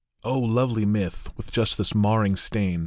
Oh, lovely myth, with just this marring stain